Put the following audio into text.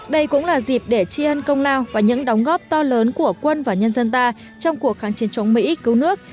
đây cũng là dịp để tri ân công lao và những đóng góp to lớn của quân và nhân dân ta trong cuộc kháng chiến chống mỹ cứu nước